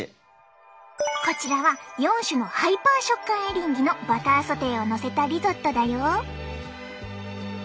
こちらは４種のハイパー食感エリンギのバターソテーをのせたリゾットだよ。